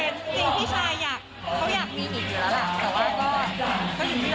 จริงพี่ชายอยากเขาอยากมีหนีอยู่แล้วล่ะ